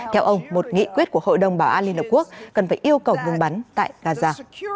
theo ông một nghị quyết của hội đồng bảo an liên hợp quốc cần phải yêu cầu ngừng bắn tại gaza